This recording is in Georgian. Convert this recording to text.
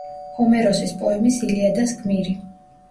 ჰომეროსის პოემის „ილიადას“ გმირი.